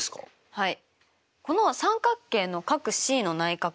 はい。